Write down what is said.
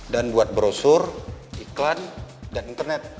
dan buat brosur iklan dan internet